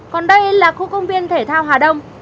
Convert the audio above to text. còn đây là khu công viên thể thao hà đông